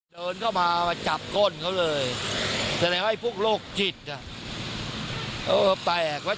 เดินเข้ามามาจับก้นเขาเลยแสดงว่าไอ้พวกโรคจิตอ่ะเออแปลกว่ะ